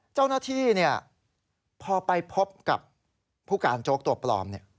เจ้าหน้าที่พอไปพบกับผู้การโจ๊กตัวปลอม